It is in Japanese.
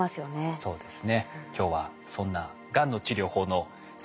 そうですね。